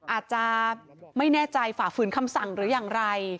อาจจะไม่แน่ใจฝ่าฝืนคำสั่งหรืออย่างไร